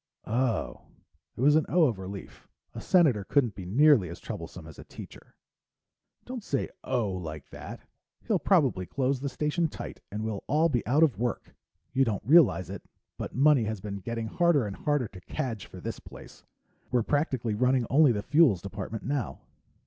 "Oh." It was an "oh" of relief. A senator couldn't be nearly as troublesome as a teacher. "Don't say 'oh' like that. He'll probably close the Station tight and we'll all be out of work. You don't realize, it, but money has been getting harder and harder to cadge for this place. We're practically running only the Fuels department now."